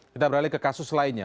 kita beralih ke kasus lainnya